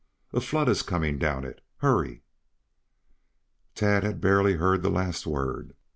A flood is coming down it. Hurry!" Tad had barely heard the last word.